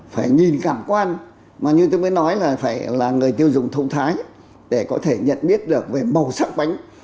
phải nhìn cảm quan mà như tôi mới nói là phải là người tiêu dùng thông thái để có thể nhận biết được về màu sắc bánh